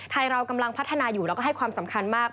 เรากำลังพัฒนาอยู่แล้วก็ให้ความสำคัญมาก